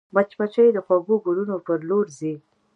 مچمچۍ د خوږو ګلونو پر لور ځي